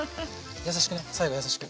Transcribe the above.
優しくね最後優しく。